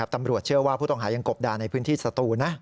ตำรวจเชื่อว่าผู้ต้องหายังกบดานในพื้นที่สตูนนะ